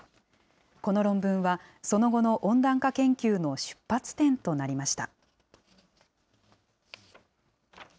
この論文は、その後の温暖化研究の出発点となりました。